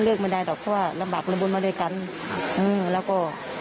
เลือกไม่ได้หรอกเพราะว่าระบักระบุนมาด้วยกันอื้อแล้วก็